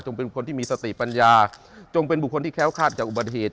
เป็นคนที่มีสติปัญญาจงเป็นบุคคลที่แค้วคาดจากอุบัติเหตุ